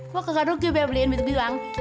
kok gak duk ya beliin mis bilang